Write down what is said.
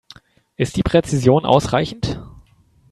Ist die Präzision ausreichend?